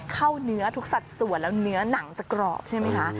เข้าเนื้อทุกสัดส่วนแล้วเนื้อหนังจะกรอบใช่ไหมคะ